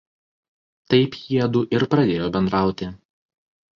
Taip jiedu ir pradėjo bendrauti.